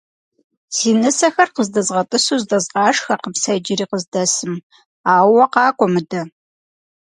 Си нысэхэр къыздэзгъэтӏысу здэзгъашхэркъым сэ иджыри къыздэсым, ауэ уэ къакӏуэ мыдэ.